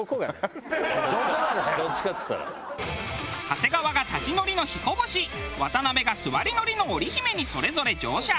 長谷川が立ち乗りの彦星渡辺が座り乗りの織姫にそれぞれ乗車。